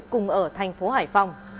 cùng ở thành phố hải phòng